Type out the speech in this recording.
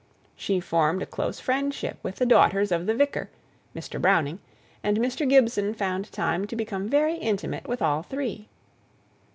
She formed a close friendship with the daughters of the vicar, Mr. Browning, and Mr. Gibson found time to become very intimate with all three.